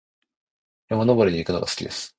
山登りに行くのが好きです。